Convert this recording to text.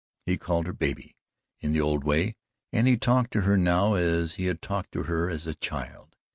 He called her "baby" in the old way, and he talked to her now as he had talked to her as a child.